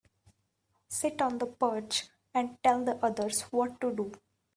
Sit on the perch and tell the others what to do.